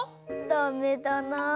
ダメだな。